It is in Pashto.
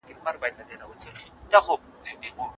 شیعه او سني ترمنځ دښمني تاریخ لري.